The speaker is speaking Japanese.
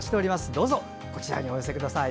どうぞこちらにお寄せください。